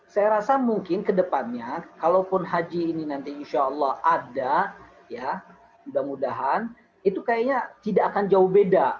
saya rasa mungkin kedepannya kalaupun haji ini nanti insya allah ada ya mudah mudahan itu kayaknya tidak akan jauh beda